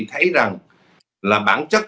thấy rằng là bản chất